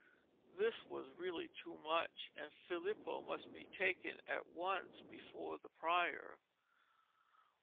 This was really too much, and Filippo must be taken at once before the prior.